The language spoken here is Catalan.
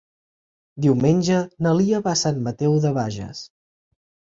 Diumenge na Lia va a Sant Mateu de Bages.